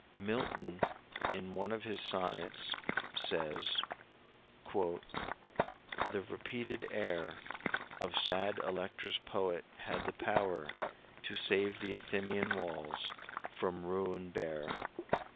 Milton, in one of his sonnets, says: "... The repeated air Of sad Electra's poet had the power To save the Athenian walls from ruin bare."